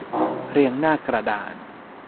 เรียงหน้ากระดาน